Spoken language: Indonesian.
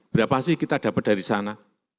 berapa sih kita dapat dari sana